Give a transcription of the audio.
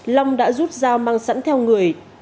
long đã rút dao mang sẵn theo người